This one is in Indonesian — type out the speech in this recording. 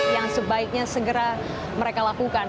yang sebaiknya segera mereka lakukan